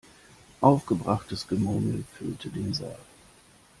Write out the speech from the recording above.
Aufgebrachtes Gemurmel füllte den Saal.